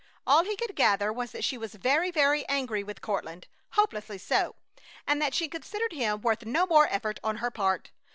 All he could gather was that she was very, very angry with Courtland, hopelessly so, and that she considered him worth no more effort on her part.